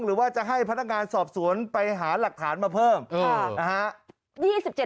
หรือว่าจะให้พนักงานสอบสวนไปหาหลักฐานมาเพิ่มนะฮะ